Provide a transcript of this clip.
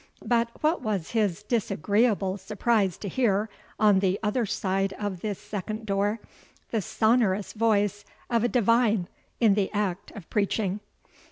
But what was his disagreeable surprise to hear, on the other side of this second door, the sonorous voice of a divine in the act of preaching.